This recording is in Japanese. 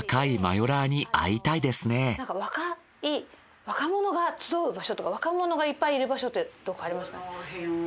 なんか若者が集う場所とか若者がいっぱいいる場所ってどっかありますか？